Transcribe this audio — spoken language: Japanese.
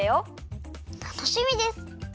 たのしみです！